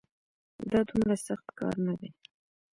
دا دومره سخت کار نه دی